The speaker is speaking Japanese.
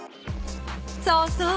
そうそう。